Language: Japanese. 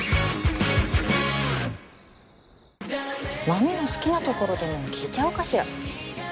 麻美の好きなところでも聞いちゃおうかしらす